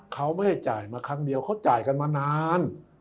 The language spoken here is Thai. เขาไม่ให้จ่ายมาครั้งเดียวเขาจ่ายกันมานาน